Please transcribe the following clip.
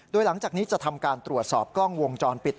โดยหลังจากนี้จะทำการตรวจสอบกล้องวงจรปิด